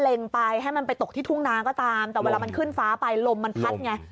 ไปให้มันไปตกที่ทุ่งนาก็ตามแต่เวลามันขึ้นฟ้าไปลมมันพัดไง